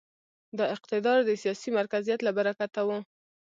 دا اقتدار د سیاسي مرکزیت له برکته و.